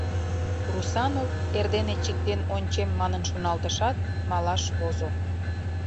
Русанов, эрдене чиктен ончем, манын шоналтышат, малаш возо.